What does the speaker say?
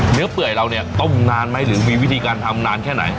เปื่อยเราเนี่ยต้มนานไหมหรือมีวิธีการทำนานแค่ไหน